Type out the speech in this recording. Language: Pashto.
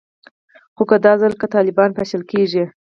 خو که دا ځل که طالبان پاشل کیږي